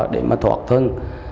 để mà thoát thân